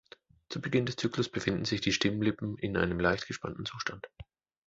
Zu Beginn des Zyklus befinden sich die Stimmlippen in einem leicht gespannten Zustand.